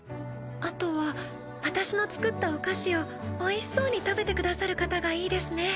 あとは私の作ったお菓子をおいしそうに食べてくださる方がいいですね。